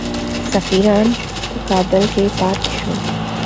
سفیران په کابل کې پاته شول.